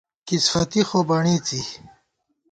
کِسفَتی خو بݨېڅی